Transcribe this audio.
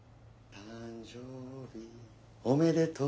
「誕生日おめでとう」